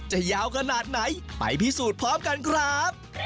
จะยาวขนาดไหนไปพิสูจน์พร้อมกันครับ